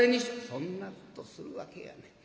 「そんなことするわけやない。